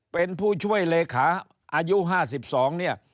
เป็นผู้ช่วยเลขาอายุ๕๒เนี่ย